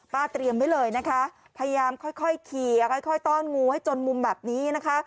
เตรียมไว้เลยนะคะพยายามค่อยขี่ค่อยต้อนงูให้จนมุมแบบนี้นะคะ